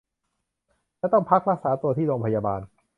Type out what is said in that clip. และต้องพักรักษาตัวที่โรงพยาบาล